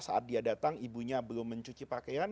saat dia datang ibunya belum mencuci pakaian